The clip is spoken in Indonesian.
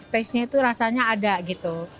tastenya itu rasanya ada gitu